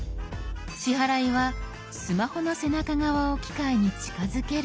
支払いはスマホの背中側を機械に近づけるだけ。